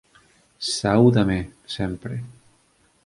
Saúdame sempre